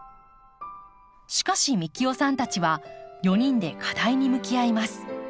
しかし幹雄さんたちは４人で課題に向き合います。